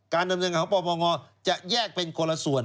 การดำเนินของพวกประงอจะแยกเป็นคนละส่วน